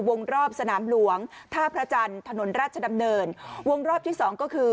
วงรอบสนามหลวงท่าพระจันทร์ถนนราชดำเนินวงรอบที่สองก็คือ